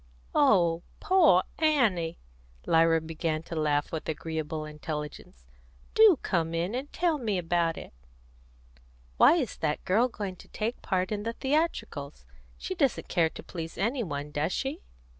"Oh, poor Annie!" Lyra began to laugh with agreeable intelligence. "Do come in and tell me about it!" "Why is that girl going to take part in the theatricals? She doesn't care to please any one, does she?"